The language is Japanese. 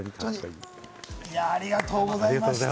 いや、ありがとうございました。